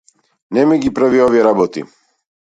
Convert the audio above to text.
Не ми ги прави овие работи.